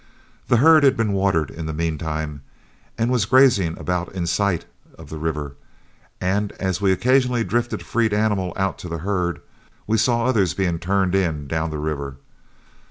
The herd had been watered in the mean time and was grazing about in sight of the river, and as we occasionally drifted a freed animal out to the herd, we saw others being turned in down the river.